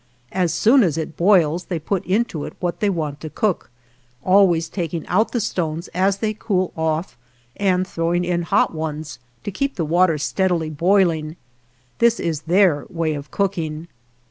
As soon as it boils they put into it what they want to cook, always taking out the stones as they cool off and throwing in hot ones to keep the water steadily boiling. This is their way of cooking.